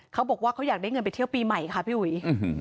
เขาบอกว่าเขาอยากได้เงินไปเที่ยวปีใหม่ค่ะพี่อุ๋ย